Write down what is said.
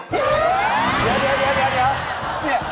เดี๋ยวเดี๋ยว